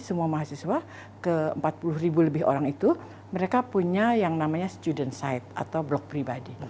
semua mahasiswa ke empat puluh ribu lebih orang itu mereka punya yang namanya student side atau blog pribadi